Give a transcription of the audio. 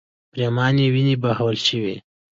پرېمانې وینې بهول شوې.